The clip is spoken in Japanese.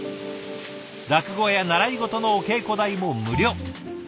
落語や習い事のお稽古代も無料。